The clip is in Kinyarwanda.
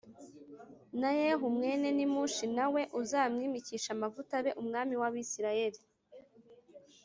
na Yehu mwene Nimushi na we uzamwimikishe amavuta abe umwami w’Abisirayeli